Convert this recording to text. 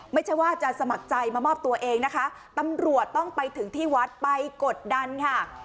ไม่ใช่ว่าจะสมัครใจมามอบตัวเองนะคะตำรวจต้องไปถึงที่วัดไปกดดันค่ะ